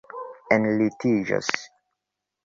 enlitiĝos